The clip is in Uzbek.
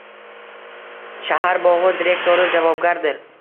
Shahar bog’i direktori javobgardir…»